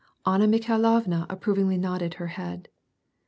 Anna Mikhailovna approvingly nodded her head.